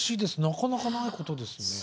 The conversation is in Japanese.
なかなかないことですね。